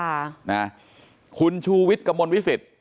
เป็นวันที่๑๕ธนวาคมแต่คุณผู้ชมค่ะกลายเป็นวันที่๑๕ธนวาคม